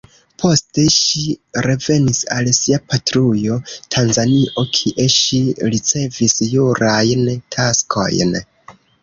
Poste ŝi revenis al sia patrujo Tanzanio, kie ŝi ricevis jurajn taskojn.